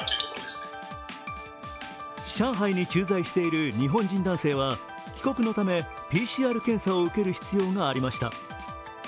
上海に駐在している日本人男性は帰国のためＰＣＲ検査を受ける必要がありました